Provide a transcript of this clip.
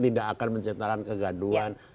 tidak akan menciptakan kegaduan